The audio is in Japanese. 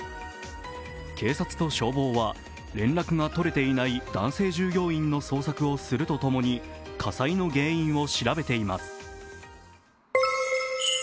警察と消防は、連絡が取れていない男性従業員の捜索をするとともに、火災の原因を調べています。